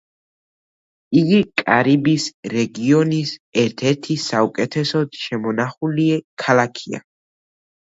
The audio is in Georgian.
იგი კარიბის რეგიონის ერთ-ერთი საუკეთესოდ შემონახული ქალაქია.